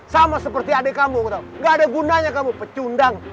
sama seperti adik kamu gak ada gunanya kamu pecundang